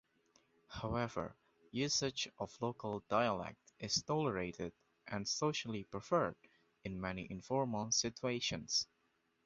However, usage of local dialect is tolerated and socially preferred in many informal situations.